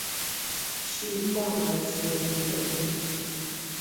Shî pua’ gha siére ngùet yùm.